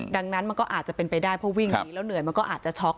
ดังนั้นมันก็อาจจะเป็นไปได้เพราะวิ่งหนีแล้วเหนื่อยมันก็อาจจะช็อก